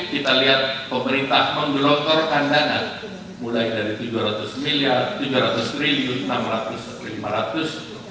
kita lihat pemerintah menggelotorkan dana mulai dari rp tiga ratus miliar rp tiga ratus triliun rp enam ratus triliun rp lima ratus triliun